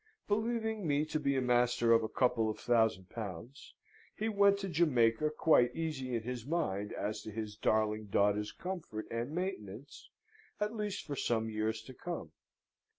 Believing me to be master of a couple of thousand pounds, he went to Jamaica quite easy in his mind as to his darling daughter's comfort and maintenance, at least for some years to come.